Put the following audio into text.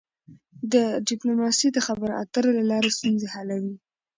ډيپلوماسي د خبرو اترو له لارې ستونزې حلوي.